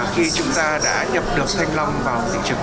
khi chúng ta đã nhập được thanh long vào thị trường